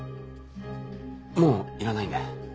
もういらないんで。